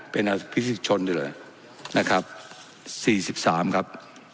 เป็นพิสิทธิ์ชนด้วยเลยนะครับสี่สิบสามครับ